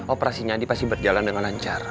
operasi nyandi pasti berjalan dengan lancar